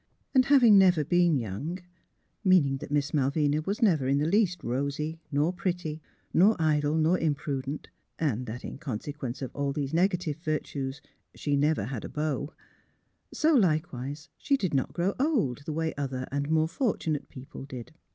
And having never been young — meaning that Miss Malvina was never in the least rosy, nor pretty, nor idle, nor imprudent; and that in consequence of all these negative virtues she never had a beau — so, likewise, she did not grow old the way other and more fortunate people did.